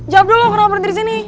jawab dulu kenapa berhenti di sini